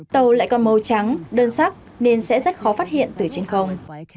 tàu lại có màu trắng đơn sắc nên sẽ rất khó phát hiện từ trên không